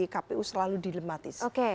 kpu selalu dilematis oke